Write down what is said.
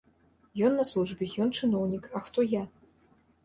Ён на службе, ён чыноўнік, а хто я?